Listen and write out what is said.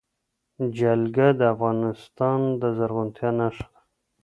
جلګه د افغانستان د زرغونتیا نښه ده.